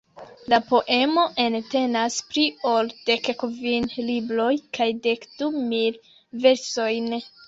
La poemo entenas pli ol dekkvin libroj kaj dekdu mil versojn.